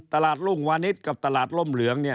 ตลาดสวนหลวงวานิสกับตลาดลมเหลืองเนี่ย